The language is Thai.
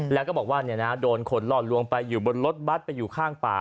แล้วก็บอกว่าโดนขนหล่อลวงไปอยู่บนรถบัตรไปอยู่ข้างป่า